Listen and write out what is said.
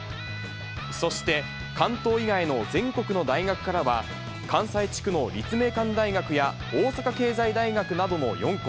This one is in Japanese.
そして関東以外の全国の大学からは、関西地区の立命館大学や大阪経済大学などの４校。